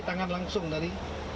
tangan langsung dari